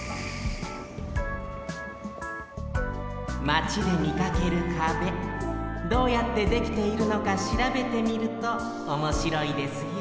マチでみかける壁どうやってできているのかしらべてみるとおもしろいですよ